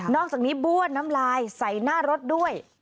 อกจากนี้บ้วนน้ำลายใส่หน้ารถด้วย